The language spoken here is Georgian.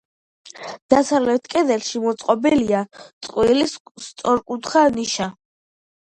დასავლეთ კედელში მოწყობილია წყვილი, სწორკუთხა ნიშა.